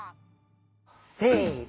せの！